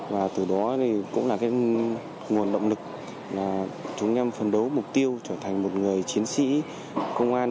và từ đó thì cũng là cái nguồn động lực chúng em phấn đấu mục tiêu trở thành một người chiến sĩ công an